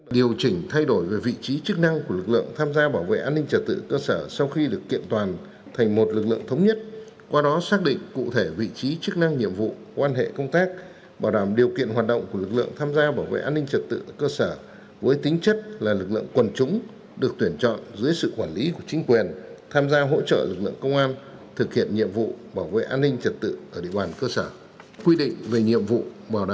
điều chỉnh thay đổi về vị trí chức năng của lực lượng tham gia bảo vệ an ninh trật tự ở cơ sở sau khi được kiện toàn thành một lực lượng thống nhất qua đó xác định cụ thể vị trí chức năng nhiệm vụ quan hệ công tác bảo đảm điều kiện hoạt động của lực lượng tham gia bảo vệ an ninh trật tự ở cơ sở với tính chất là lực lượng quần chúng được tuyển chọn dưới sự quản lý của chính quyền tham gia hỗ trợ lực lượng công an thực hiện nhiệm vụ bảo vệ an ninh trật tự ở địa bàn cơ sở